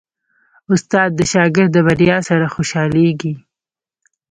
استاد د شاګرد د بریا سره خوشحالېږي.